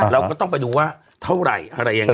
เราก็ต้องไปดูว่าเท่าไหร่อะไรยังไง